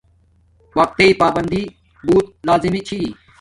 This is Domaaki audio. وقت تݵ پابندی بوت لازمی چھی